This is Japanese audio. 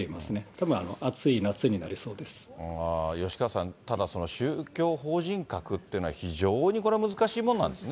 たぶん、吉川さん、ただ、宗教法人格っていうのは、非常にこれは難しいものなんですね。